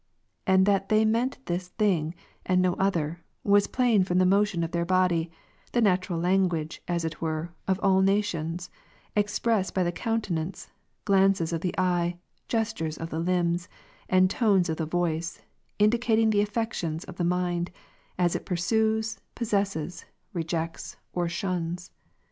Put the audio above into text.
And that they meant this thing and no other, was plain from the motion of their body, the natural language, as it were, of all nations, expressed by the countenance, glances of the eye, gestures of the limbs, and tones of the voice, indi cating the affections of the mind, as it pursues, possesses, rejects, or shuns.